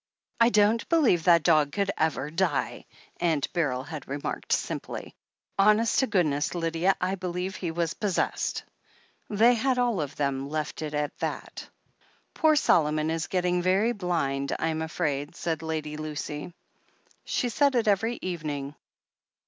"I don't believe that dog could ever die," Aunt Beryl had remarked simply. "Honest to goodness, Lydia, I believe he was possessed," They had all of them left it at that. "Poor Solomon is getting very blind, I'm afraid," said Lady Lucy. She said it every evening.